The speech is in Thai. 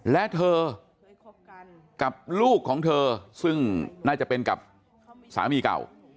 และเธอกับลูกของเธอซึ่งน่าจะเป็นกับสามีเก่า